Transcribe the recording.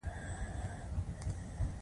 که د هغه ارزښت له نورو کم وي.